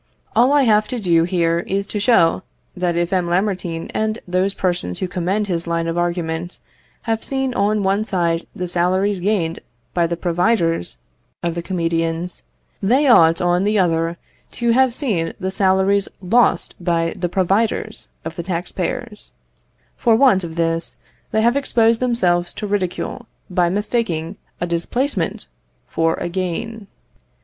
All I have to do here is to show, that if M. Lamartine and those persons who commend his line of argument have seen on one side the salaries gained by the providers of the comedians, they ought on the other to have seen the salaries lost by the providers of the taxpayers: for want of this, they have exposed themselves to ridicule by mistaking a displacement for a gain.